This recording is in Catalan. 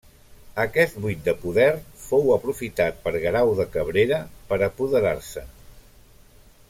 Aquest buit de poder fou aprofitat per Guerau de Cabrera per apoderar-se'n.